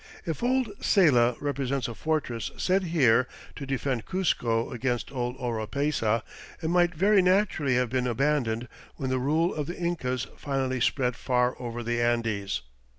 If old Saylla represents a fortress set here to defend Cuzco against old Oropesa, it might very naturally have been abandoned when the rule of the Incas finally spread far over the Andes.